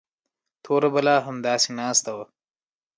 توره بلا همداسې ناسته وه.